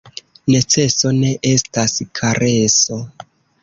Neceso ne estas kareso.